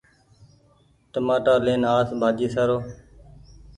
چمآٽا لين آس ڀآڃي سآرو